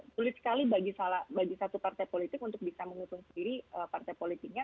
sulit sekali bagi satu partai politik untuk bisa mengusung sendiri partai politiknya